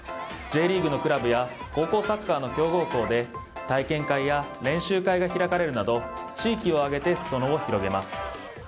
Ｊリーグのクラブや高校サッカーの強豪校で体験会や練習会が開かれるなど地域を挙げて裾野を広げます。